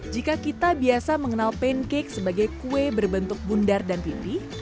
jika kita biasa mengenal pancake sebagai kue berbentuk bundar dan pipih